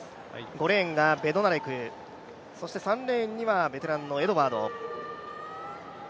５レーンがベドナレク、３レーンにはベテランのエドワード。